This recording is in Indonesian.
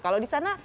kalau di sana